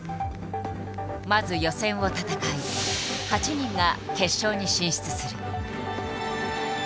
まず予選を戦い８人が決勝に進出する。